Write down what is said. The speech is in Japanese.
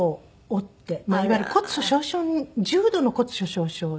いわゆる骨粗しょう症に重度の骨粗しょう症で。